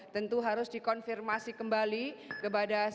tentu harus dikonfirmasi kembali kepada